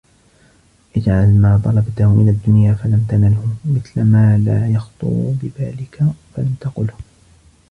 اجْعَلْ مَا طَلَبْته مِنْ الدُّنْيَا فَلَمْ تَنَلْهُ مِثْلَ مَا لَا يَخْطُرُ بِبَالِك فَلَمْ تَقُلْهُ